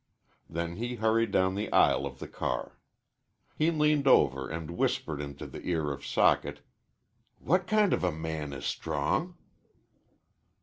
Then he hurried down the aisle of the car. He leaned over and whispered into the ear of Socket, "What kind of a man is Strong?"